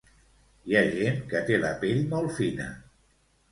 Hi ha gent que té la pell molt fina